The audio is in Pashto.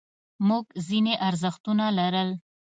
موږ ځینې ارزښتونه لرل.